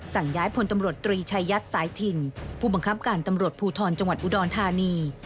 สั่งย้ายพลตำรวจตรีชายยัดสายถิ่นผู้บังคับการตำรวจภูทรจังหวัดอุดรธานี